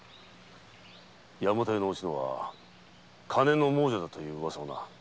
大和屋のおしのは金の亡者だというウワサをな。